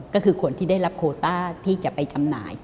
ก็คือคนที่ได้รับโคต้าที่จะไปจำหน่าย